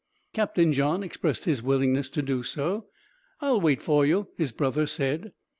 Captain John expressed his willingness to do so. "I will wait for you," his brother said.